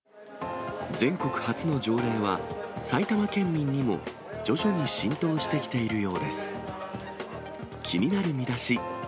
全国初の条例は、埼玉県民にも徐々に浸透してきているようです。